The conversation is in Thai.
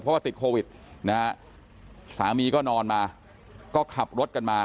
เพราะว่าติดโควิดนะฮะสามีก็นอนมาก็ขับรถกันมา